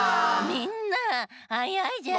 みんなはやいじゃん！